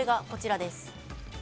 こちらです。